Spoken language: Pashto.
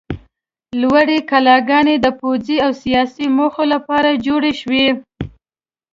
لوړې کلاګانې د پوځي او سیاسي موخو لپاره جوړې شوې.